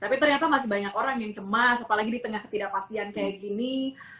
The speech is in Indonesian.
tapi ternyata masih banyak orang yang cemas apalagi di tengah ketidakpastian kayak gini